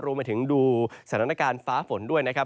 รวมไปถึงดูสถานการณ์ฟ้าฝนด้วยนะครับ